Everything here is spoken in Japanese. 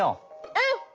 うん！